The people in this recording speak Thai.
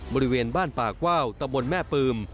บริเวณบ้านป่าว่าวตะบนแม่ปืม